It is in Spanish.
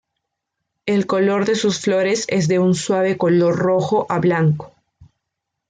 El color de sus flores es de un suave color rojo a blanco.